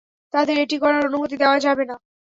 তাদের এটি করার অনুমতি দেওয়া যাবে না।